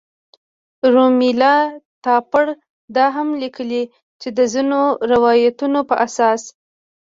رومیلا تاپړ دا هم لیکلي چې د ځینو روایتونو په اساس.